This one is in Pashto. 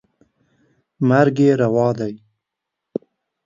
مرګ یې روا دی.